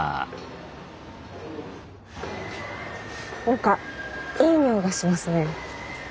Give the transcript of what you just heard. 何かいい匂いがしますね。